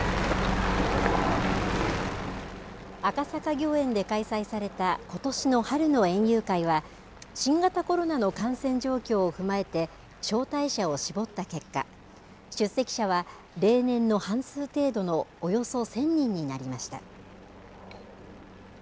赤坂御苑で開催されたことしの春の園遊会は新型コロナの感染状況を踏まえて招待者を絞った結果出席者は例年の半数程度のおよそ１０００人になりました。